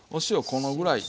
このぐらい。